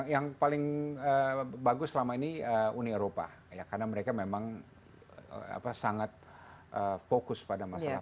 yang paling bagus selama ini uni eropa ya karena mereka memang sangat fokus pada masalah